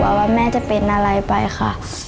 ว่าแม่จะเป็นอะไรไปค่ะ